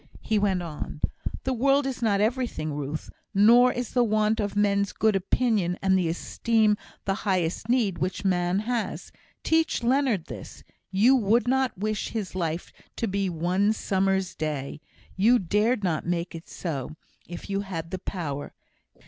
He went on. "The world is not everything, Ruth; nor is the want of men's good opinion and esteem the highest need which man has. Teach Leonard this. You would not wish his life to be one summer's day. You dared not make it so, if you had the power.